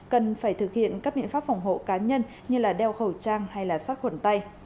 cần phải thực hiện các biện pháp phòng hộ cá nhân như đeo khẩu trang hay sát khuẩn tay